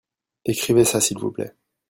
Écrivez-ça s'il vous plait.